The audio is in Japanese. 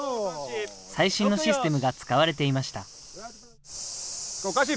最新のシステムが使われていました。